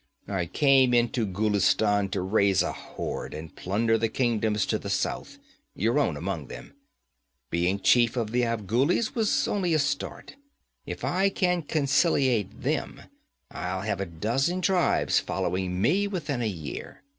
'I came into Ghulistan to raise a horde and plunder the kingdoms to the south your own among them. Being chief of the Afghulis was only a start. If I can conciliate them, I'll have a dozen tribes following me within a year.